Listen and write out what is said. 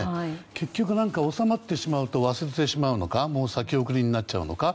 結局、収まってしまうと忘れてしまうのか先送りになっちゃうのか。